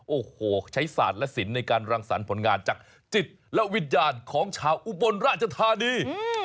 โอ้โหใช้ศาสตร์และศิลป์ในการรังสรรค์ผลงานจากจิตและวิญญาณของชาวอุบลราชธานี